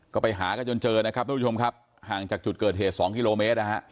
ก็ไปหาจนเจอนะครับเป็นผู้ผู้ผู้ชมครับห่างจากจุดเกิดเหตุ๒กิโลเมตร